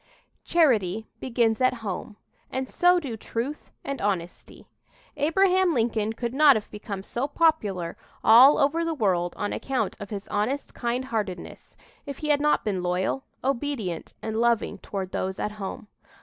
"Charity begins at home" and so do truth and honesty. Abraham Lincoln could not have become so popular all over the world on account of his honest kindheartedness if he had not been loyal, obedient and loving toward those at home.